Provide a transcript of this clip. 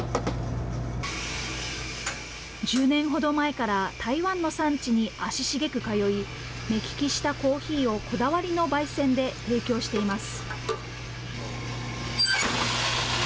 １０年ほど前から台湾の産地に足繁く通い、目利きしたコーヒーをこだわりのばい煎で提供しています。